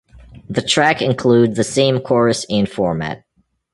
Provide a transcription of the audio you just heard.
The track include the same chorus and format.